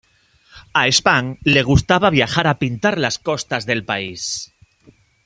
A Span le gustaba viajar a pintar las costas del país.